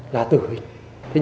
là tử hình